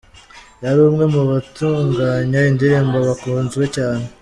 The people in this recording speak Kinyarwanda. Yari umwe mu batunganya indirimbo bakunzwe cyane.